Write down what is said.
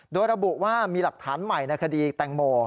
โดยระบุว่ามีหลักฐานใหม่ในคดีแตงโม